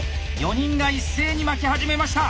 ４人が一斉に巻き始めました。